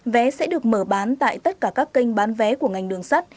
vé sẽ được mở bán tại tất cả các kênh bán vé của ngành đường sắt